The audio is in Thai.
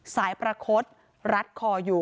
สายปราคตรัตคออยู่